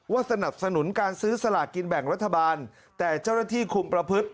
สนับสนุนการซื้อสลากินแบ่งรัฐบาลแต่เจ้าหน้าที่คุมประพฤติ